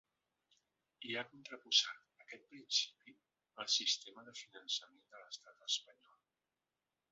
I ha contraposat aquest principi al sistema de finançament de l’estat espanyol.